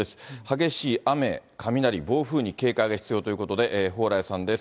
激しい雨、雷、暴風に警戒が必要ということで、蓬莱さんです。